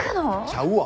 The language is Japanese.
ちゃうわ！